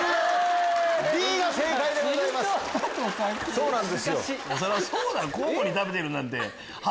そうなんですよ。